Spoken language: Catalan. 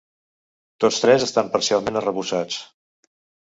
Tots tres estan parcialment arrebossats.